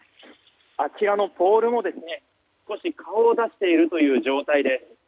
あちらのポールも、少し顔を出しているという状態です。